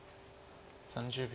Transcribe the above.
３０秒。